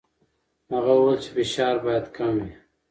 هغه وویل چې فشار باید کم وي.